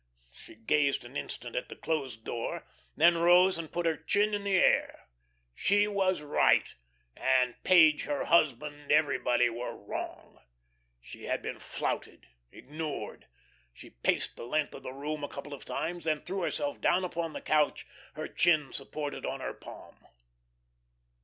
She gazed an instant at the closed door, then rose and put her chin in the air. She was right, and Page her husband, everybody, were wrong. She had been flouted, ignored. She paced the length of the room a couple of times, then threw herself down upon the couch, her chin supported on her palm.